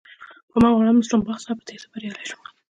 په هماغه ورځ مسلم باغ څخه په تېښته بريالی شوم.